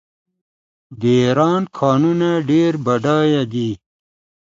د ایران کانونه ډیر بډایه دي.